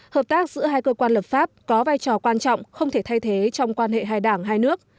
hợp tác giữa hai cơ quan lập pháp có vai trò quan trọng không thể thay thế trong quan hệ hai đảng hai nước